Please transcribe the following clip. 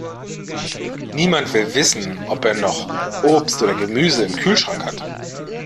Niemand will wissen, ob er noch Obst oder Gemüse im Kühlschrank hat.